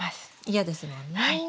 嫌ですもんね。